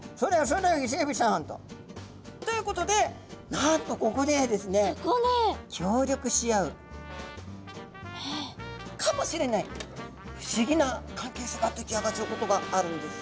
そうだよイセエビさん」と。ということでなんとここでですね協力し合うかもしれない不思議な関係性が出来上がっちゃうことがあるんです。